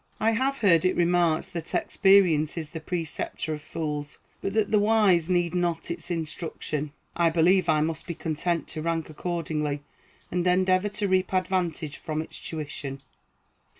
I have heard it remarked that experience is the preceptor of fools, but that the wise need not its instruction. I believe I must be content to rank accordingly, and endeavor to reap advantage from its tuition.